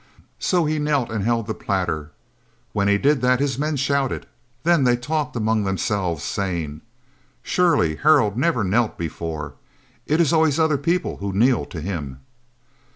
So he knelt and held the platter. When he did that his men shouted. Then they talked among themselves, saying: "Surely Harald never knelt before. It is always other people who kneel to him."